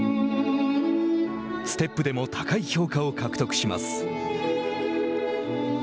ステップでも高い評価を獲得します。